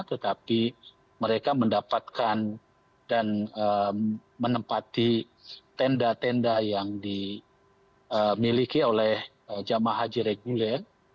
tetapi mereka mendapatkan dan menempati tenda tenda yang dimiliki oleh jamaah haji reguler